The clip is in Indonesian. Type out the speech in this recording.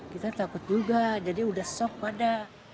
kita takut juga jadi udah sok pada